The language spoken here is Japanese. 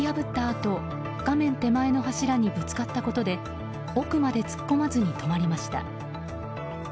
あと画面手前の柱にぶつかったことで奥まで突っ込まずに止まりました。